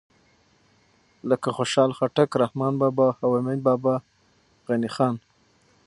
لکه خوشحال خټک، رحمان بابا او حمید بابا، غني خان